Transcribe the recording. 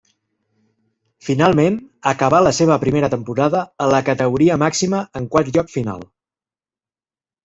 Finalment, acabà la seva primera temporada en la categoria màxima en quart lloc final.